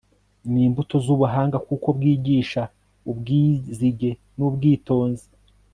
ni imbuto z'ubuhanga, kuko bwigisha ubwizige n'ubwitonzi